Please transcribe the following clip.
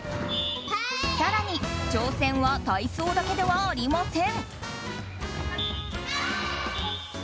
更に、挑戦は体操だけではありません。